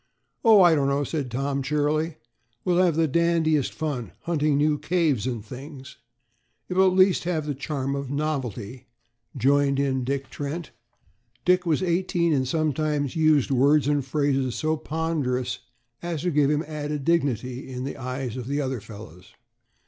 "Oh, I don't know," said Tom cheerily; "we'll have the dandiest fun, hunting new caves and things." "It will at least have the charm of novelty," joined in Dick Trent Dick was eighteen and sometimes used words and phrases so ponderous as to give him added dignity in the eyes of the other fellows.